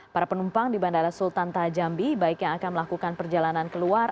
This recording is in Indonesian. para penumpang di bandara sultan taha jambi baik yang akan melakukan perjalanan keluar